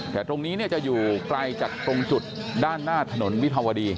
แต่ตรงนี้จะอยู่ไกลจากตรงจุดด้านหน้าถนนวิภาวดี